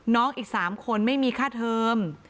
น้องอีก๓คนไม่มีค่าเทอม